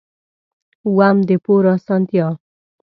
اووم: د پور اسانتیا.